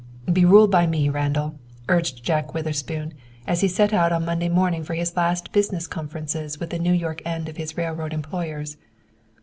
"Be ruled by me, Randall," urged Jack Witherspoon, as he set out on Monday morning for his last business conferences with the New York end of his railroad employers.